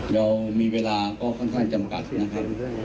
เรามีเวลาก็ค่อนข้างจำกัดนะครับ